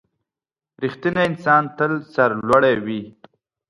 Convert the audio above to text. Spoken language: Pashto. • رښتینی انسان تل سرلوړی وي.